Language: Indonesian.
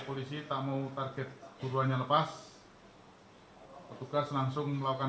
pak ini kan tadi disusulkan bahwa ada pergerakan sel sel tidur